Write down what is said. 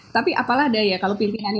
tapi apalah daya kalau pimpinannya